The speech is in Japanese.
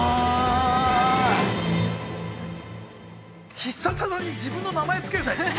◆必殺技に自分の名前をつけるタイプ？